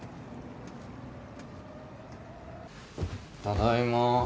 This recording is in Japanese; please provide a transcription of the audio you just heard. ただいま。